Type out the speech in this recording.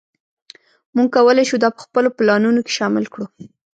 موږ کولی شو دا په خپلو پلانونو کې شامل کړو